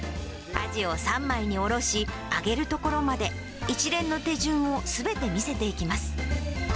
アジを三枚におろし、揚げるところまで、一連の手順をすべて見せていきます。